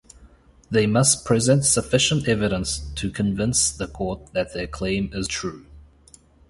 They must present sufficient evidence to convince the court that their claim is true.